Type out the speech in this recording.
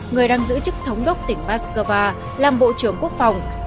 người đang giữ chức thống đốc tỉnh moscow làm bộ trưởng quốc phòng